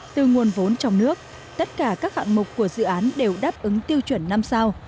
từ nguồn vốn trong nước tất cả các hạng mục của dự án đều đáp ứng tiêu chuẩn năm sao